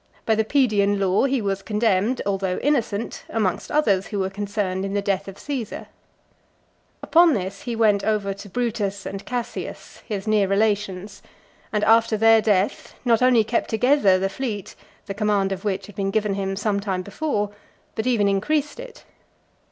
By the Pedian law, he was condemned, although innocent, amongst others who were concerned in the death of Caesar . Upon this, he went over to Brutus and Cassius, his near relations; and, after their death, not only kept together the fleet, the command of which had been given him some time before, but even increased it.